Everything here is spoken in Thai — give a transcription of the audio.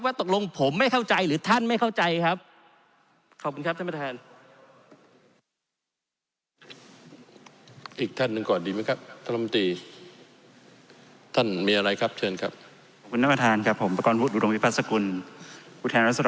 ตกลงผมไม่เข้าใจหรือท่านไม่เข้าใจครับขอบคุณครับท่านประธานครับ